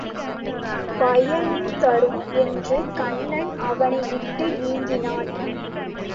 பயனும் தரும் என்று கண்ணன் அவனை விட்டு நீங்கினான்.